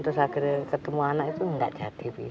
terus akhirnya ketemu anak itu enggak jadi bisa gitu